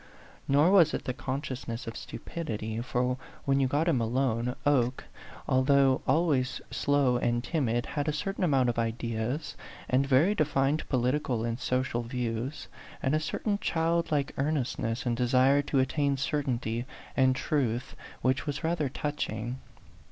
Nor was it the consciousness of stupidity; for when you got him alone, Oke, although always slow and timid, had a certain amount of ideas, and very defined political and social views, and a certain childlike earnestness and desire to attain certainty and truth which was rather touching.